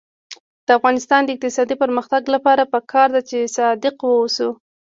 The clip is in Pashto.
د افغانستان د اقتصادي پرمختګ لپاره پکار ده چې صادق اوسو.